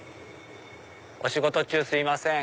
お仕事中すいません